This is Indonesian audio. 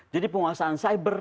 jadi penguasaan cyber